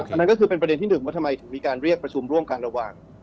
อันนั้นก็คือเป็นประเด็นที่หนึ่งว่าทำไมถึงมีการเรียกประชุมร่วมกันระหว่าง